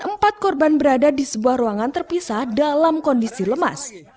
empat korban berada di sebuah ruangan terpisah dalam kondisi lemas